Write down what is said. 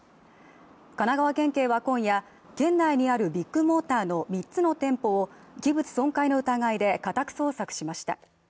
神奈川県警は今夜県内にあるビッグモーターの３つの店舗を器物損壊の疑いで家宅捜索しました。